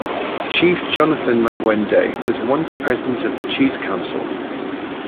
Chief Jonathan Mangwende was once president of the chief's council.